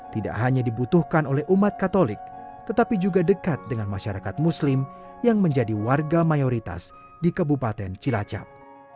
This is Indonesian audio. tidak hanya dibutuhkan oleh umat katolik tetapi juga dekat dengan masyarakat muslim yang menjadi warga mayoritas di kabupaten cilacap